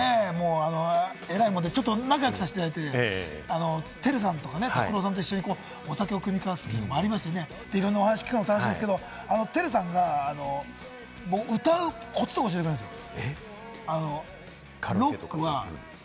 えらいもんで、ちょっと仲良くさせていただいて、ＴＥＲＵさんとかね、ＴＡＫＵＲＯさんと一緒にお酒を酌み交わして、いろんなお話を聞くのが楽しいんですけれども、ＴＥＲＵさんは歌うコツとか教えてくれるんですよ。